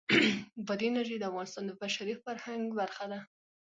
بادي انرژي د افغانستان د بشري فرهنګ برخه ده.